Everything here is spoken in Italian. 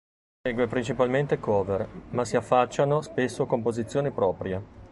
Esegue principalmente cover ma si affacciano spesso composizioni proprie.